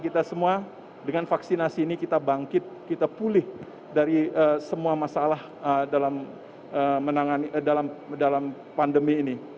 kita semua dengan vaksinasi ini kita bangkit kita pulih dari semua masalah dalam menangani dalam pandemi ini